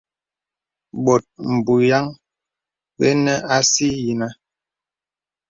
Bòt bùyaŋ bənə así yìnə.